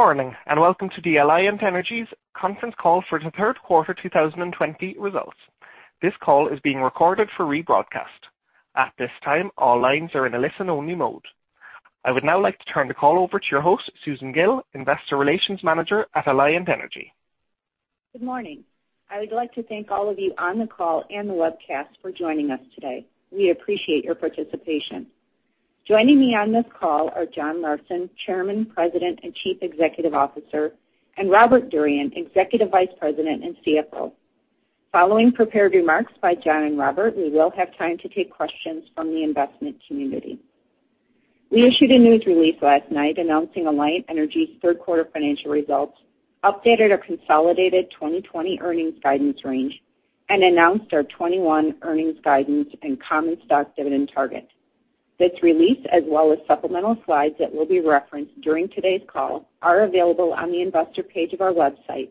Good morning, welcome to the Alliant Energy's conference call for the third quarter 2020 results. This call is being recorded for rebroadcast. At this time, all lines are in a listen-only mode. I would now like to turn the call over to your host, Susan Gille, Investor Relations manager at Alliant Energy. Good morning. I would like to thank all of you on the call and the webcast for joining us today. We appreciate your participation. Joining me on this call are John Larsen, Chairman, President, and Chief Executive Officer, and Robert Durian, Executive Vice President and CFO. Following prepared remarks by John and Robert, we will have time to take questions from the investment community. We issued a news release last night announcing Alliant Energy's third quarter financial results, updated our consolidated 2020 earnings guidance range, and announced our 2021 earnings guidance and common stock dividend target. This release, as well as supplemental slides that will be referenced during today's call, are available on the investor page of our website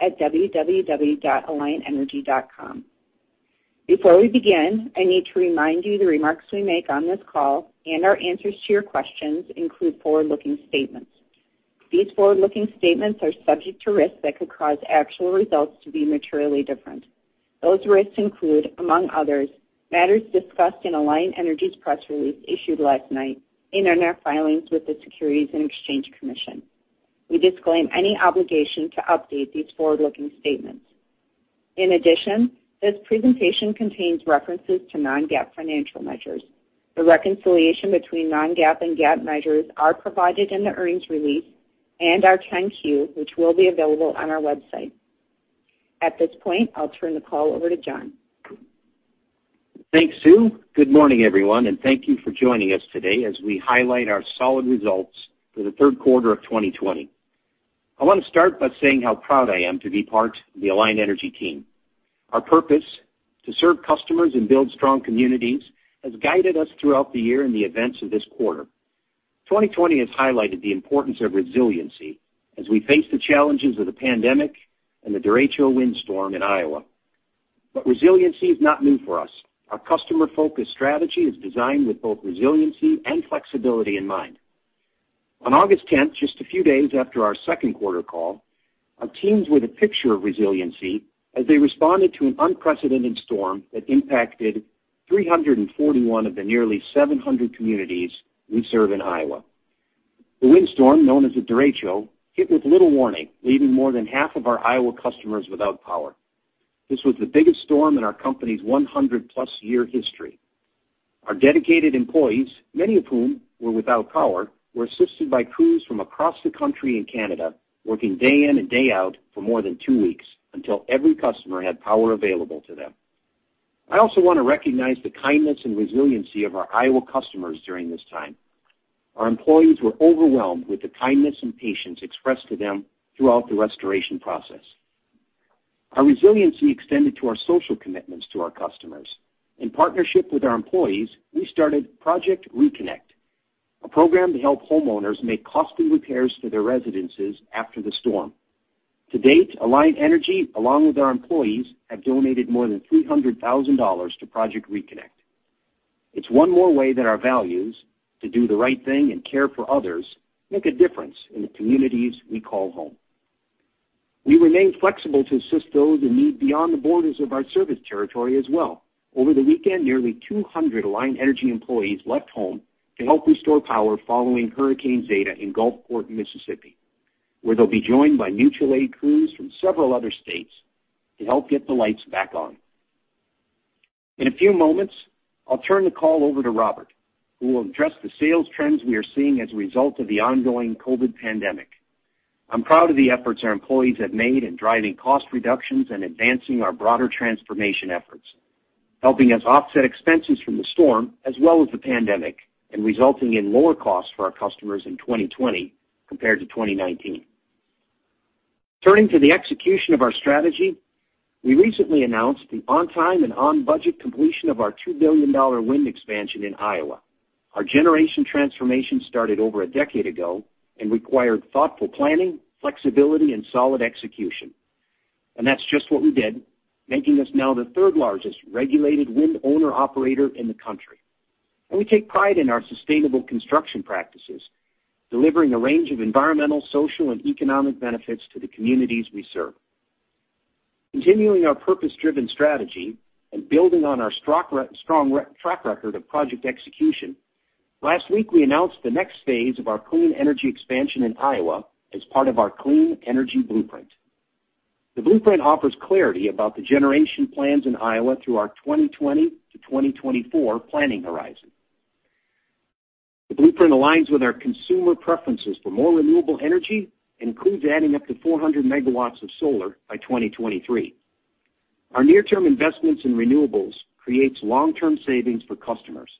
at www.alliantenergy.com. Before we begin, I need to remind you the remarks we make on this call, and our answers to your questions, include forward-looking statements. These forward-looking statements are subject to risks that could cause actual results to be materially different. Those risks include, among others, matters discussed in Alliant Energy's press release issued last night in their net filings with the Securities and Exchange Commission. We disclaim any obligation to update these forward-looking statements. In addition, this presentation contains references to non-GAAP financial measures. The reconciliation between non-GAAP and GAAP measures are provided in the earnings release and our 10-Q, which will be available on our website. At this point, I'll turn the call over to John. Thanks, Susan. Good morning, everyone, thank you for joining us today as we highlight our solid results for the third quarter of 2020. I want to start by saying how proud I am to be part of the Alliant Energy team. Our purpose, to serve customers and build strong communities, has guided us throughout the year in the events of this quarter. 2020 has highlighted the importance of resiliency as we face the challenges of the pandemic and the derecho windstorm in Iowa. Resiliency is not new for us. Our customer-focused strategy is designed with both resiliency and flexibility in mind. On August 10th, just a few days after our second quarter call, our teams were the picture of resiliency as they responded to an unprecedented storm that impacted 341 of the nearly 700 communities we serve in Iowa. The windstorm, known as the derecho, hit with little warning, leaving more than half of our Iowa customers without power. This was the biggest storm in our company's 100-plus-year history. Our dedicated employees, many of whom were without power, were assisted by crews from across the country and Canada, working day in and day out for more than two weeks, until every customer had power available to them. I also want to recognize the kindness and resiliency of our Iowa customers during this time. Our employees were overwhelmed with the kindness and patience expressed to them throughout the restoration process. Our resiliency extended to our social commitments to our customers. In partnership with our employees, we started Project ReConnect, a program to help homeowners make costly repairs to their residences after the storm. To date, Alliant Energy, along with our employees, have donated more than $300,000 to Project ReConnect. It's one more way that our values to do the right thing and care for others make a difference in the communities we call home. We remain flexible to assist those in need beyond the borders of our service territory as well. Over the weekend, nearly 200 Alliant Energy employees left home to help restore power following Hurricane Zeta in Gulfport, Mississippi, where they'll be joined by mutual aid crews from several other states to help get the lights back on. In a few moments, I'll turn the call over to Robert, who will address the sales trends we are seeing as a result of the ongoing COVID pandemic. I'm proud of the efforts our employees have made in driving cost reductions and advancing our broader transformation efforts, helping us offset expenses from the storm as well as the pandemic, and resulting in lower costs for our customers in 2020 compared to 2019. Turning to the execution of our strategy, we recently announced the on-time and on-budget completion of our $2 billion wind expansion in Iowa. Our generation transformation started over a decade ago and required thoughtful planning, flexibility, and solid execution. That's just what we did, making us now the third-largest regulated wind owner/operator in the country. We take pride in our sustainable construction practices, delivering a range of environmental, social, and economic benefits to the communities we serve. Continuing our purpose-driven strategy and building on our strong track record of project execution, last week, we announced the next phase of our clean energy expansion in Iowa as part of our Clean Energy Blueprint. The Clean Energy Blueprint offers clarity about the generation plans in Iowa through our 2020 to 2024 planning horizon. The Clean Energy Blueprint aligns with our consumer preferences for more renewable energy and includes adding up to 400 megawatts of solar by 2023. Our near-term investments in renewables creates long-term savings for customers.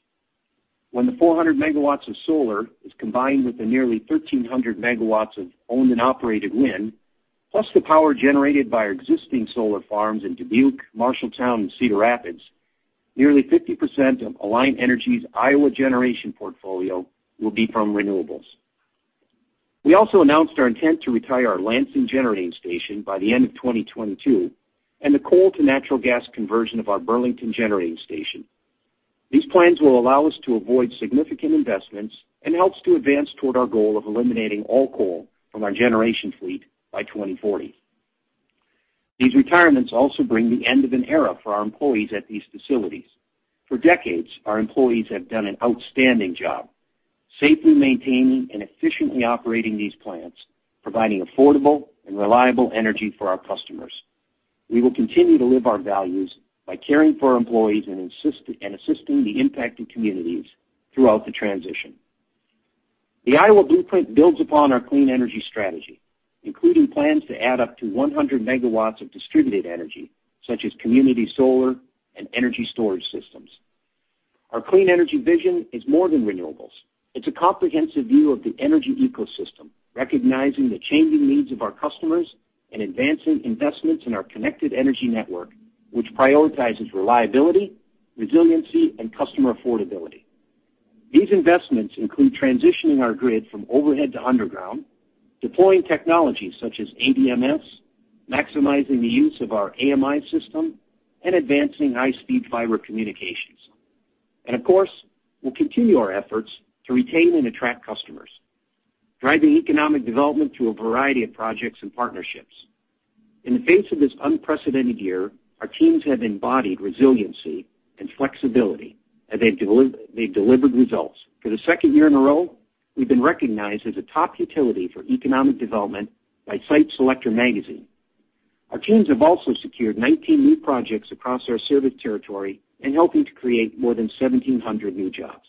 When the 400 megawatts of solar is combined with the nearly 1,300 MW of owned and operated wind, plus the power generated by our existing solar farms in Dubuque, Marshalltown, and Cedar Rapids, nearly 50% of Alliant Energy's Iowa generation portfolio will be from renewables. We also announced our intent to retire our Lansing Generating Station by the end of 2022 and the coal to natural gas conversion of our Burlington Generating Station. These plans will allow us to avoid significant investments and helps to advance toward our goal of eliminating all coal from our generation fleet by 2040. These retirements also bring the end of an era for our employees at these facilities. For decades, our employees have done an outstanding job, safely maintaining and efficiently operating these plants, providing affordable and reliable energy for our customers. We will continue to live our values by caring for our employees and assisting the impacted communities throughout the transition. The Iowa Blueprint builds upon our clean energy strategy, including plans to add up to 100 MW of distributed energy, such as community solar and energy storage systems. Our clean energy vision is more than renewables. It's a comprehensive view of the energy ecosystem, recognizing the changing needs of our customers and advancing investments in our connected energy network, which prioritizes reliability, resiliency, and customer affordability. These investments include transitioning our grid from overhead to underground, deploying technologies such as ADMS, maximizing the use of our AMI system, and advancing high-speed fiber communications. Of course, we'll continue our efforts to retain and attract customers, driving economic development through a variety of projects and partnerships. In the face of this unprecedented year, our teams have embodied resiliency and flexibility, and they've delivered results. For the second year in a row, we've been recognized as a top utility for economic development by Site Selection Magazine. Our teams have also secured 19 new projects across our service territory in helping to create more than 1,700 new jobs.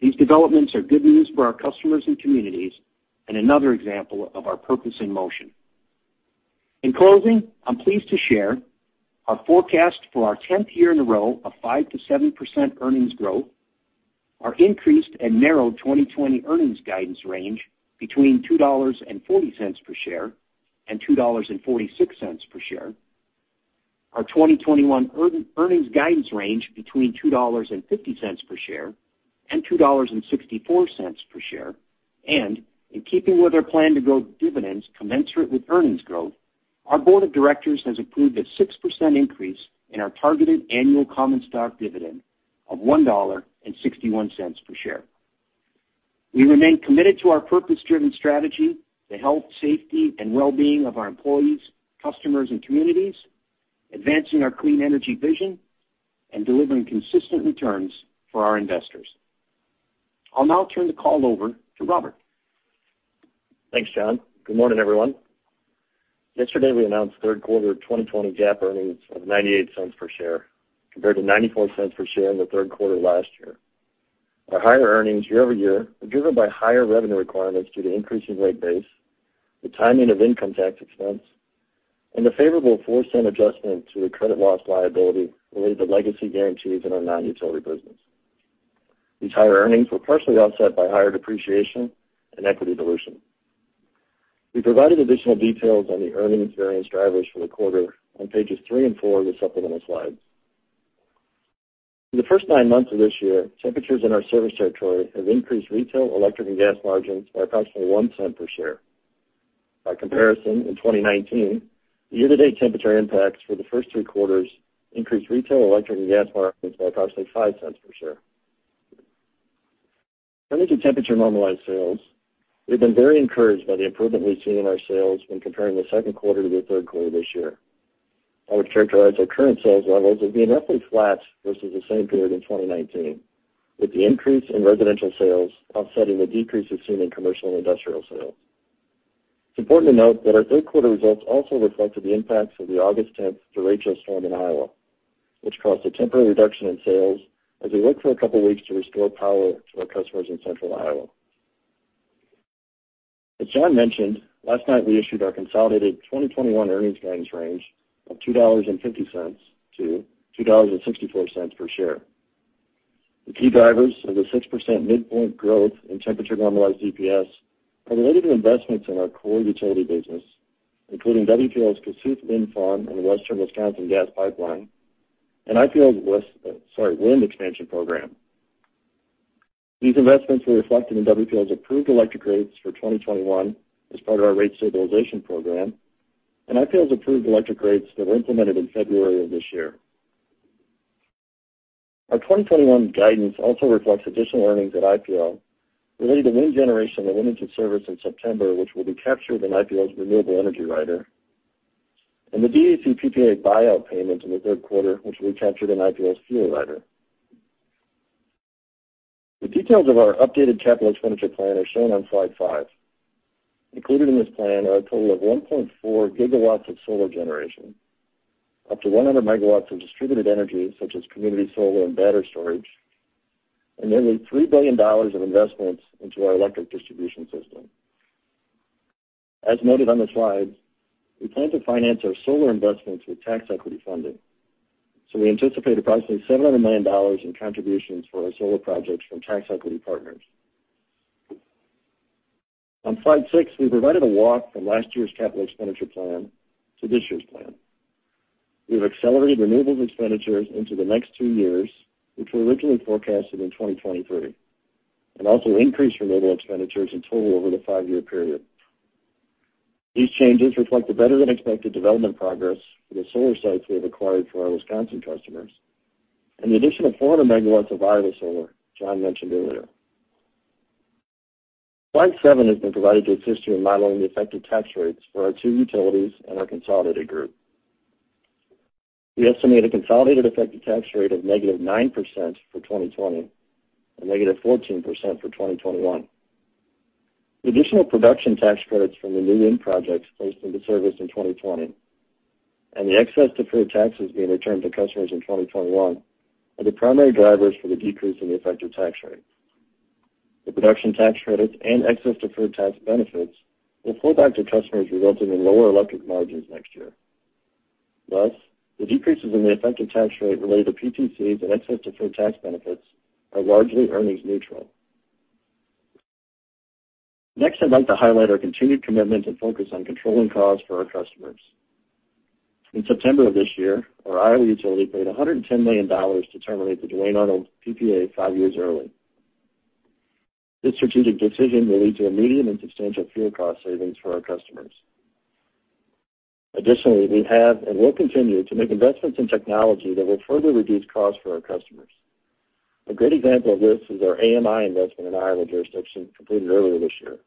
These developments are good news for our customers and communities, and another example of our purpose in motion. In closing, I'm pleased to share our forecast for our 10th year in a row of 5%-7% earnings growth, our increased and narrowed 2020 earnings guidance range between $2.40 per share and $2.46 per share, our 2021 earnings guidance range between $2.50 per share and $2.64 per share, and in keeping with our plan to grow dividends commensurate with earnings growth, our board of directors has approved a 6% increase in our targeted annual common stock dividend of $1.61 per share. We remain committed to our purpose-driven strategy, the health, safety, and wellbeing of our employees, customers, and communities, advancing our clean energy vision, and delivering consistent returns for our investors. I'll now turn the call over to Robert. Thanks, John. Good morning, everyone. Yesterday, we announced third quarter 2020 GAAP earnings of $0.98 per share compared to $0.94 per share in the third quarter last year. Our higher earnings year-over-year were driven by higher revenue requirements due to increasing rate base, the timing of income tax expense, and a favorable $0.04 adjustment to the credit loss liability related to legacy guarantees in our non-utility business. These higher earnings were partially offset by higher depreciation and equity dilution. We provided additional details on the earnings variance drivers for the quarter on pages three and four of the supplemental slides. In the first nine months of this year, temperatures in our service territory have increased retail electric and gas margins by approximately $0.01 per share. By comparison, in 2019, the year-to-date temperature impacts for the first three quarters increased retail electric and gas margins by approximately $0.05 per share. Turning to temperature normalized sales, we've been very encouraged by the improvement we've seen in our sales when comparing the second quarter to the third quarter this year. I would characterize our current sales levels as being roughly flat versus the same period in 2019, with the increase in residential sales offsetting the decrease we've seen in commercial and industrial sales. It's important to note that our third quarter results also reflected the impacts of the August 10th derecho storm in Iowa, which caused a temporary reduction in sales as we worked for a couple of weeks to restore power to our customers in central Iowa. As John mentioned, last night we issued our consolidated 2021 earnings guidance range of $2.50-$2.64 per share. The key drivers of the 6% midpoint growth in temperature normalized EPS are related to investments in our core utility business, including WPL's Kossuth Wind Farm and Western Wisconsin Pipeline, and IPL's wind expansion program. These investments were reflected in WPL's approved electric rates for 2021 as part of our rate stabilization program, and IPL's approved electric rates that were implemented in February of this year. Our 2021 guidance also reflects additional earnings at IPL related to wind generation and limited service in September, which will be captured in IPL's renewable energy rider, and the DAEC PPA buyout payment in the third quarter, which we captured in IPL's fuel rider. The details of our updated capital expenditure plan are shown on slide five. Included in this plan are a total of 1.4 GW of solar generation, up to 100 MW of distributed energy such as community solar and battery storage, and nearly $3 billion of investments into our electric distribution system. As noted on the slides, we plan to finance our solar investments with tax equity funding, so we anticipate approximately $700 million in contributions for our solar projects from tax equity partners. On slide six, we provided a walk from last year's capital expenditure plan to this year's plan. We've accelerated renewables expenditures into the next two years, which were originally forecasted in 2023, and also increased renewable expenditures in total over the five-year period. These changes reflect the better-than-expected development progress for the solar sites we have acquired for our Wisconsin customers, and the addition of 400 MW of Iowa solar John mentioned earlier. Slide seven has been provided to assist you in modeling the effective tax rates for our two utilities and our consolidated group. We estimate a consolidated effective tax rate of negative 9% for 2020, and negative 14% for 2021. The additional Production Tax Credits from the new wind projects placed into service in 2020, and the excess deferred taxes being returned to customers in 2021, are the primary drivers for the decrease in the effective tax rate. The Production Tax Credits and excess deferred tax benefits will flow back to customers, resulting in lower electric margins next year. Thus, the decreases in the effective tax rate related to PTCs and excess deferred tax benefits are largely earnings neutral. Next, I'd like to highlight our continued commitment and focus on controlling costs for our customers. In September of this year, our Iowa utility paid $110 million to terminate the Duane Arnold PPA five years early. This strategic decision will lead to immediate and substantial fuel cost savings for our customers. Additionally, we have and will continue to make investments in technology that will further reduce costs for our customers. A great example of this is our AMI investment in Iowa jurisdiction, completed earlier this year,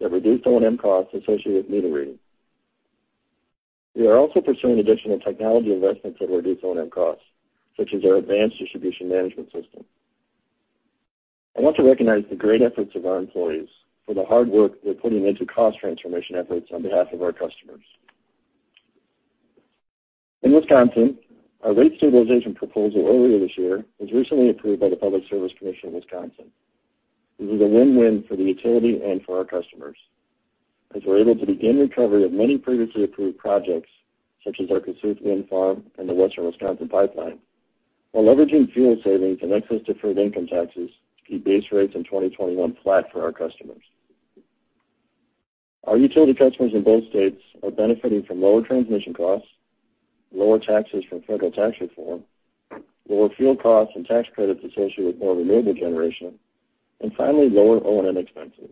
that reduced O&M costs associated with meter reading. We are also pursuing additional technology investments that reduce O&M costs, such as our advanced distribution management system. I want to recognize the great efforts of our employees for the hard work they're putting into cost transformation efforts on behalf of our customers. In Wisconsin, our rate stabilization proposal earlier this year was recently approved by the Public Service Commission of Wisconsin. This is a win-win for the utility and for our customers, as we're able to begin recovery of many previously approved projects, such as our Kossuth Wind Farm and the Western Wisconsin Pipeline, while leveraging fuel savings and excess deferred income taxes to keep base rates in 2021 flat for our customers. Our utility customers in both states are benefiting from lower transmission costs, lower taxes from federal tax reform, lower fuel costs and tax credits associated with more renewable generation, finally, lower O&M expenses.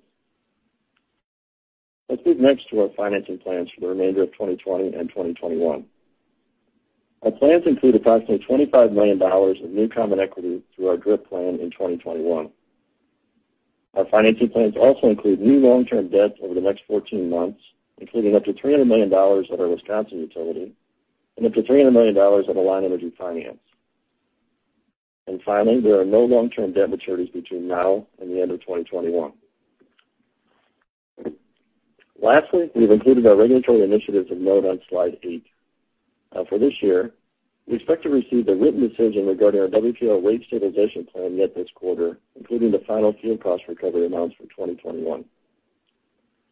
Let's move next to our financing plans for the remainder of 2020 and 2021. Our plans include approximately $25 million of new common equity through our DRIP plan in 2021. Our financing plans also include new long-term debt over the next 14 months, including up to $300 million at our Wisconsin utility and up to $300 million at Alliant Energy Finance. Finally, there are no long-term debt maturities between now and the end of 2021. Lastly, we've included our regulatory initiatives of note on slide 8. For this year, we expect to receive a written decision regarding our WPL rate stabilization program yet this quarter, including the final fuel cost recovery amounts for 2021.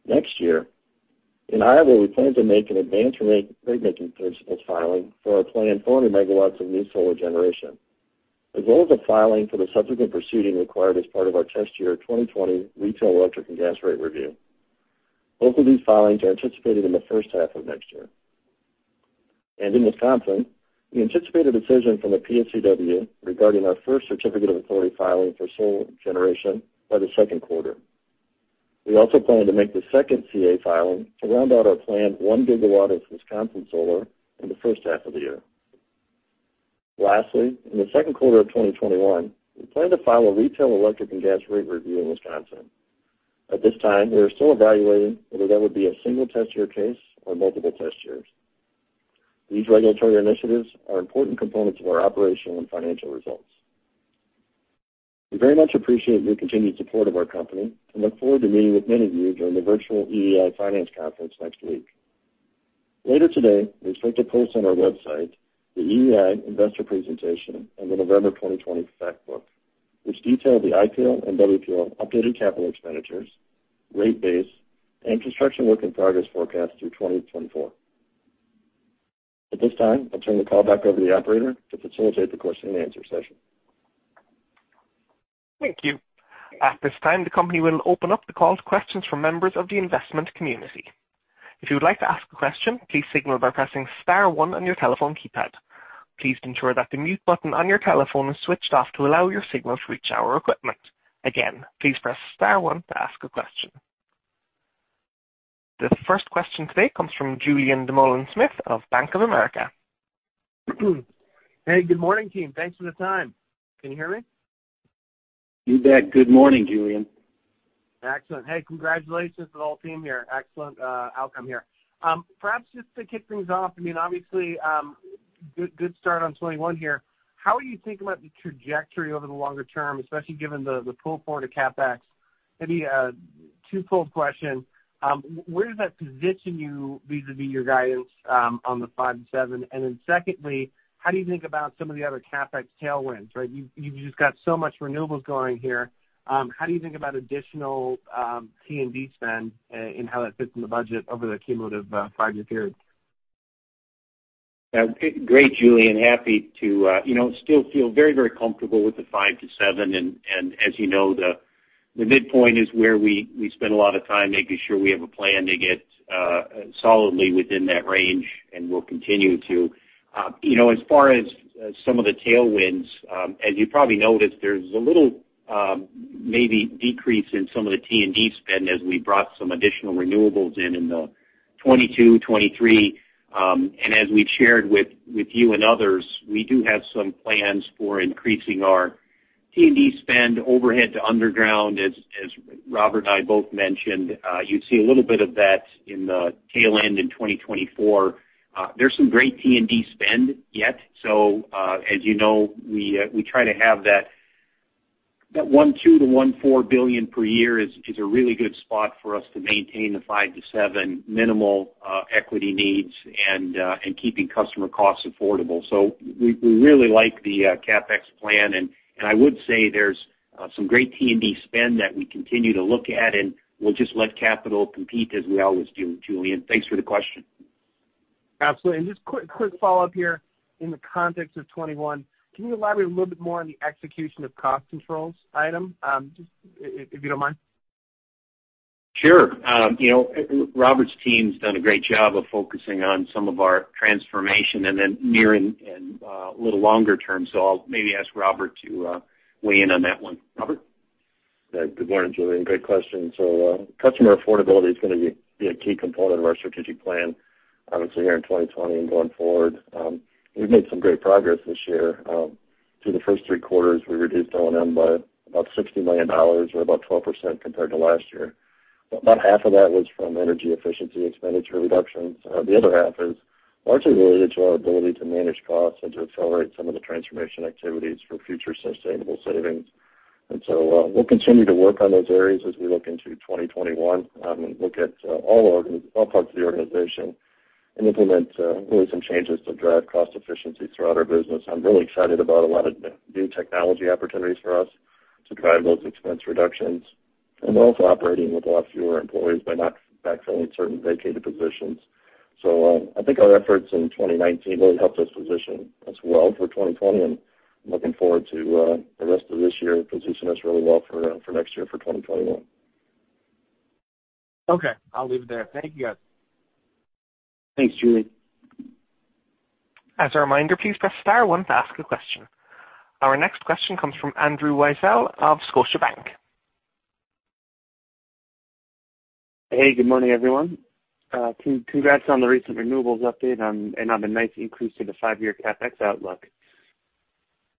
Next year, in Iowa, we plan to make an advanced ratemaking principles filing for our planned 400 MW of new solar generation. The goal is a filing for the subsequent proceeding required as part of our test year 2020 retail electric and gas rate review. Both of these filings are anticipated in the first half of next year. In Wisconsin, we anticipate a decision from the PSCW regarding our first certificate of authority filing for solar generation by the 2Q. We also plan to make the second CA filing to round out our planned 1 GW of Wisconsin solar in the first half of the year. Lastly, in the second quarter of 2021, we plan to file a retail electric and gas rate review in Wisconsin. At this time, we are still evaluating whether that would be a single test year case or multiple test years. These regulatory initiatives are important components of our operational and financial results. We very much appreciate your continued support of our company, and look forward to meeting with many of you during the virtual EEI Financial Conference next week. Later today, we expect to post on our website the EEI investor presentation and the November 2020 fact book, which detail the IPL and WPL updated capital expenditures, rate base, and construction work in progress forecast through 2024. At this time, I'll turn the call back over to the operator to facilitate the question and answer session. Thank you. At this time, the company will open up the call to questions from members of the investment community. If you would like to ask a question, please signal by pressing star one on your telephone keypad. Please ensure that the mute button on your telephone is switched off to allow your signal to reach our equipment. Again, please press star one to ask a question. The first question today comes from Julien Dumoulin-Smith of Bank of America. Hey, good morning, team. Thanks for the time. Can you hear me? You bet. Good morning, Julien. Excellent. Hey, congratulations to the whole team here. Excellent outcome here. Perhaps just to kick things off, obviously, good start on 2021 here. How are you thinking about the trajectory over the longer term, especially given the pull forward of CapEx? Maybe a two-fold question. Where does that position you vis-à-vis your guidance on the five and seven? Secondly, how do you think about some of the other CapEx tailwinds, right? You've just got so much renewables going here. How do you think about additional T&D spend and how that fits in the budget over the cumulative five-year period? Great, Julien. Happy to. Still feel very, very comfortable with the five to seven. As you know, the midpoint is where we spend a lot of time making sure we have a plan to get solidly within that range, and will continue to. As far as some of the tailwinds, as you probably noticed, there's a little maybe decrease in some of the T&D spend as we brought some additional renewables in in the 2022, 2023. As we shared with you and others, we do have some plans for increasing our T&D spend overhead to underground, as Robert and I both mentioned. You'd see a little bit of that in the tail end in 2024. There's some great T&D spend yet. As you know, we try to have that $1.2 billion-$1.4 billion per year is a really good spot for us to maintain the five to seven minimal equity needs and keeping customer costs affordable. We really like the CapEx plan and I would say there's some great T&D spend that we continue to look at, and we'll just let capital compete as we always do, Julien. Thanks for the question. Absolutely. Just quick follow-up here. In the context of 2021, can you elaborate a little bit more on the execution of cost controls item? Just if you don't mind. Sure. Robert's team's done a great job of focusing on some of our transformation and then near and a little longer term. I'll maybe ask Robert to weigh in on that one. Robert? Good morning, Julien. Great question. Customer affordability is going to be a key component of our strategic plan, obviously here in 2020 and going forward. We've made some great progress this year. Through the first three quarters, we reduced O&M by about $60 million, or about 12% compared to last year. About half of that was from energy efficiency expenditure reductions. The other half is largely related to our ability to manage costs and to accelerate some of the transformation activities for future sustainable savings. We'll continue to work on those areas as we look into 2021. Look at all parts of the organization and implement really some changes to drive cost efficiency throughout our business. I'm really excited about a lot of new technology opportunities for us to drive those expense reductions. We're also operating with a lot fewer employees by not backfilling certain vacated positions. I think our efforts in 2019 really helped us position us well for 2020, and I'm looking forward to the rest of this year positioning us really well for next year, for 2021. Okay, I'll leave it there. Thank you, guys. Thanks, Julien. As a reminder, please press star one to ask a question. Our next question comes from Andrew Weisel of Scotiabank. Hey, good morning, everyone. Congrats on the recent renewables update and on the nice increase to the five-year CapEx outlook.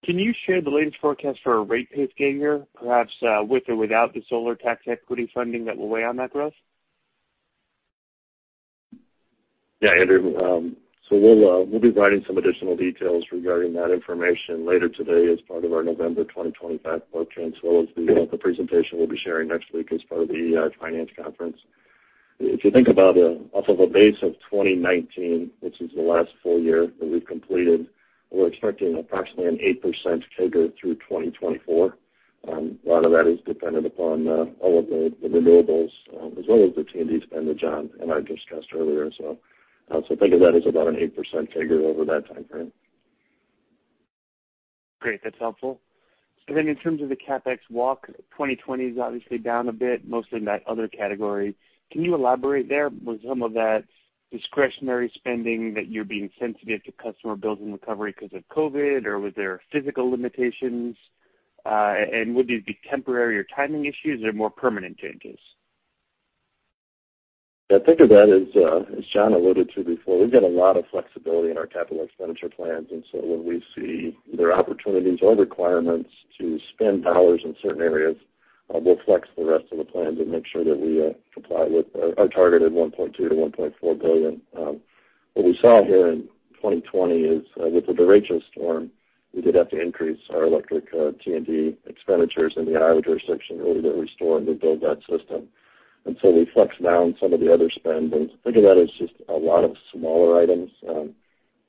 Can you share the latest forecast for a rate base gain here, perhaps with or without the solar tax equity funding that will weigh on that growth? Andrew. We'll be providing some additional details regarding that information later today as part of our November 2020 FCF report, as well as the presentation we'll be sharing next week as part of the EEI Financial Conference. If you think about off of a base of 2019, which is the last full year that we've completed, we're expecting approximately an 8% CAGR through 2024. A lot of that is dependent upon all of the renewables as well as the T&D spend that John and I discussed earlier. Think of that as about an 8% CAGR over that time frame. Great. That's helpful. In terms of the CapEx walk, 2020 is obviously down a bit, mostly in that other category. Can you elaborate there? Was some of that discretionary spending that you're being sensitive to customer bills and recovery because of COVID, or was there physical limitations? Would these be temporary or timing issues or more permanent changes? Yeah, think of that as John alluded to before. We've got a lot of flexibility in our capital expenditure plans, and so when we see either opportunities or requirements to spend dollars in certain areas, we'll flex the rest of the plan to make sure that we comply with our targeted $1.2 billion-$1.4 billion. What we saw here in 2020 is with the derecho storm, we did have to increase our electric T&D expenditures in the Iowa jurisdiction in order to restore and rebuild that system. We flexed down some of the other spend, and think of that as just a lot of smaller items,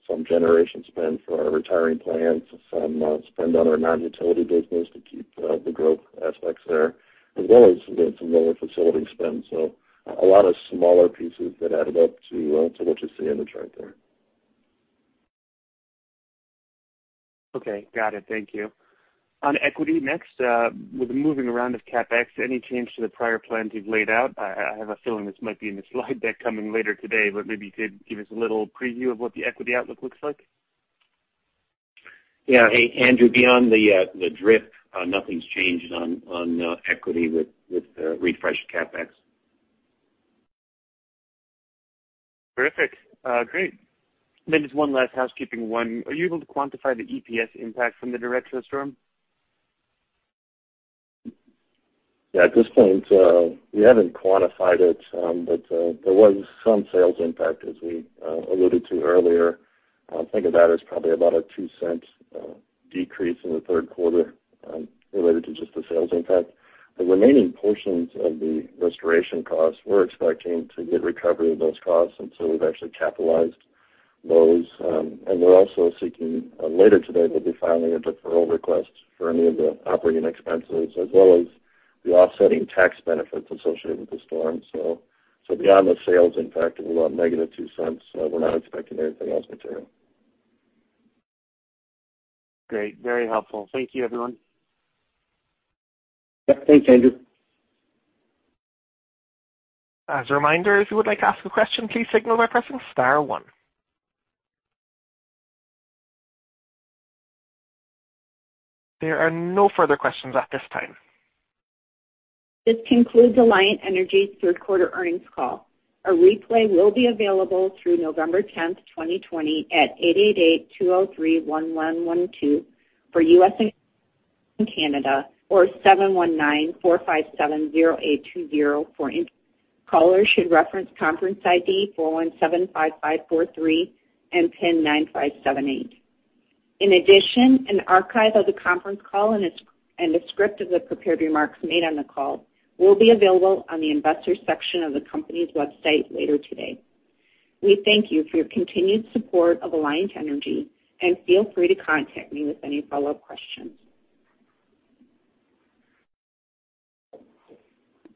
some generation spend for our retiring plants, some spend on our non-utility business to keep the growth aspects there, as well as some lower facility spend. A lot of smaller pieces that added up to what you see in the chart there. Okay. Got it. Thank you. On equity next, with the moving around of CapEx, any change to the prior plans you've laid out? I have a feeling this might be in the slide deck coming later today, maybe you could give us a little preview of what the equity outlook looks like. Hey, Andrew, beyond the DRIP, nothing's changed on equity with the refreshed CapEx. Terrific. Great. Just one last housekeeping one. Are you able to quantify the EPS impact from the derecho storm? Yeah, at this point, we haven't quantified it. There was some sales impact as we alluded to earlier. Think of that as probably about a $0.02 decrease in the third quarter related to just the sales impact. The remaining portions of the restoration costs, we're expecting to get recovery of those costs. We've actually capitalized those. We're also seeking later today, we'll be filing a deferral request for any of the operating expenses as well as the offsetting tax benefits associated with the storm. Beyond the sales impact of about -$0.02, we're not expecting anything else material. Great. Very helpful. Thank you, everyone. Yeah. Thanks, Andrew. As a reminder, if you would like to ask a question, please signal by pressing star one. There are no further questions at this time. This concludes Alliant Energy's third quarter earnings call. A replay will be available through November 10th, 2020, at 888-203-1112 for U.S. and Canada, or 719-457-0820 for international. Callers should reference conference ID 4175543 and pin 9578. In addition, an archive of the conference call and a script of the prepared remarks made on the call will be available on the Investors section of the company's website later today. We thank you for your continued support of Alliant Energy, and feel free to contact me with any follow-up questions.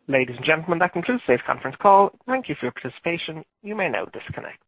Ladies and gentlemen, that concludes today's conference call. Thank you for your participation. You may now disconnect.